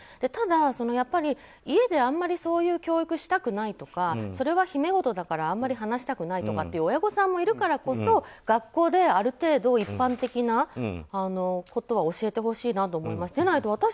ただ、家であまりそういう教育をしたくないとかそれは秘め事だからあんまり話したくないとかって親御さんもいるからこそ学校である程度、一般的なことは教えてほしいなと思います。